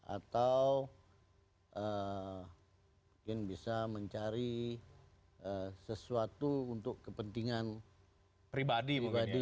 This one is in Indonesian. atau mungkin bisa mencari sesuatu untuk kepentingan pribadi